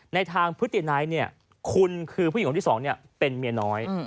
ในทางพฤติไนท์คุณคือผู้หญิงคนที่๒เป็นเมียน้อย